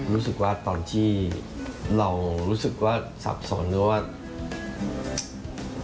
รู้สึกว่าตอนที่เรารู้สึกว่าสับสนหรือว่า